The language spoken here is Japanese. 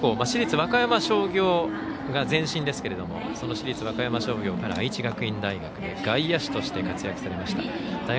この母校、市立和歌山商業が前身ですがその市立和歌山商業から愛知学院大学で外野手として活躍されました。